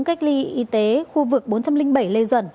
cách ly y tế khu vực bốn trăm linh bảy lê duẩn